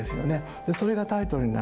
それがタイトルになる。